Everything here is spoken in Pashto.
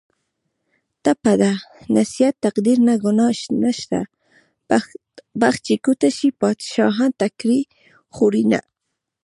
ټپه ده: نصیب تقدیر نه ګناه نشته بخت چې کوټه شي بادشاهان ټکرې خورینه